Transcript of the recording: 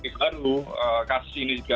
baru kasus ini juga